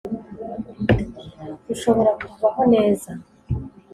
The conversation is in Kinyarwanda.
rushobora kuvaho neza